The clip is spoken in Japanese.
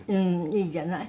いいじゃない。